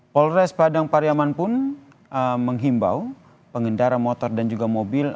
polres padang pariaman pun menghimbau pengendara motor dan juga mobil